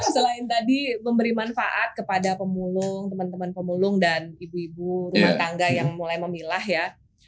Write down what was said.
selain tadi memberi manfaat kepada pemulung teman teman pemulung dan ibu ibu rumah tangga yang mulai memilah ya